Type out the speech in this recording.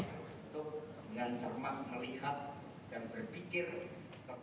untuk dengan cermat melihat dan berpikir